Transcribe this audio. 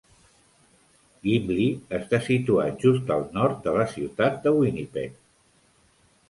Gimli està situat just al nord de la ciutat de Winnipeg.